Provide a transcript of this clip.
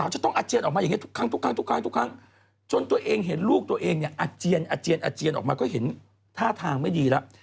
จะต้องอาเจียนออกมาอย่างนี้ทุกครั้งจนตัวเองเห็นลูกตัวเองอาเจียนออกมาก็เห็นท่าทางไม่ดีแล้ว